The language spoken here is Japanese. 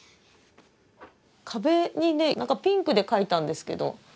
壁にね何かピンクで描いたんですけど。